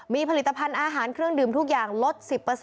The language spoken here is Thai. มีผลิตภัณฑ์อาหารเครื่องดื่มทุกอย่างลด๑๐